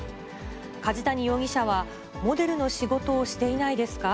梶谷容疑者は、モデルの仕事をしていないですか？